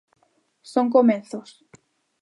Son comezos.